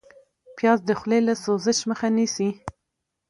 پیاز د خولې له سوزش مخه نیسي